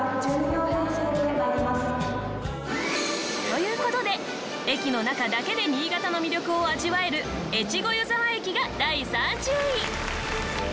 という事で駅の中だけで新潟の魅力を味わえる越後湯沢駅が第３０位。